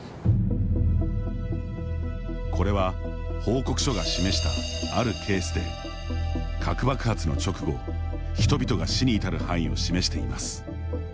これは報告書が示したあるケースで核爆発の直後、人々が死に至る範囲を示しています。